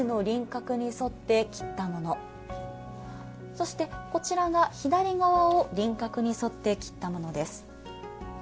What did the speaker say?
そしてこちらが左側を輪郭に沿って切ったものです。